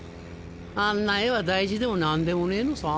あんな絵は大事でも何でもねえのさ。